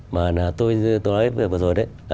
mà tôi nói vừa rồi đấy